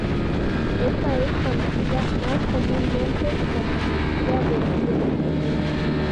Esta es conocida más comúnmente como energía de ionización.